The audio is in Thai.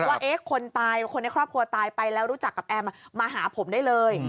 ว่าคนตายคนในครอบครัวตายไปแล้วรู้จักกับแอมมาหาผมได้เลย